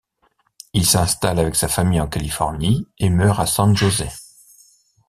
Il s’installe avec sa famille en Californie et meurt à San José.